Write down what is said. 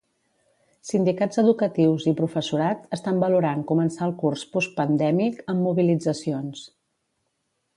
Sindicats educatius i professorat estan valorant començar el curs postpandèmic amb mobilitzacions.